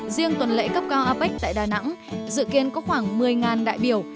riêng tuần lễ cấp cao apec tại đà nẵng dự kiến có khoảng một mươi đại biểu